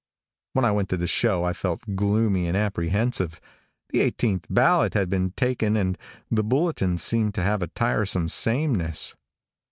When I went to the show I felt gloomy and apprehensive. The eighteenth ballot had been taken and the bulletins seemed to have a tiresome sameness.